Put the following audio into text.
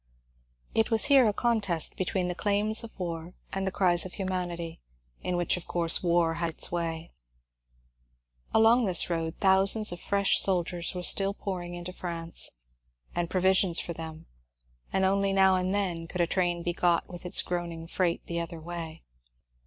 It was here a contest between the claims of war and the cries of humanity, in which of course war had its way. VOL. u. 242 MONCURE DANIEL CONWAY Along this road thousands of fresh soldiers were still pooring into France, and provisions for them, and only now and then could a train be got with its groaning freight the other way.